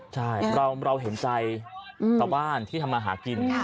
ใช่เราเห็นใจชาวบ้านที่ทำมาหากิน